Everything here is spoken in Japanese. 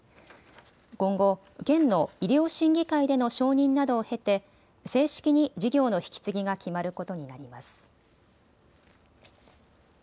今後、県の医療審議会での承認などを経て正式に事業の引き継ぎが決まることになります。